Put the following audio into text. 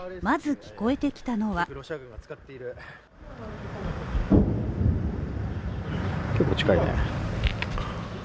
まず、聞こえてきたのは結構近いね。